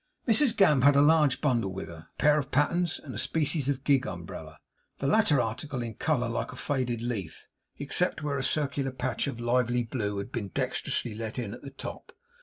Mrs Gamp had a large bundle with her, a pair of pattens, and a species of gig umbrella; the latter article in colour like a faded leaf, except where a circular patch of a lively blue had been dexterously let in at the top.